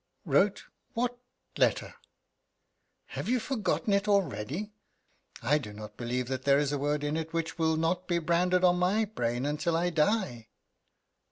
"Wrote what letter?" "Have you forgotten it already? I do not believe that there is a word in it which will not be branded on my brain until I die."